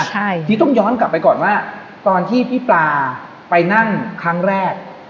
ทีนี้ต้องย้อนกลับไปก่อนว่าตอนที่พี่ปลาไปนั่งครั้งแรก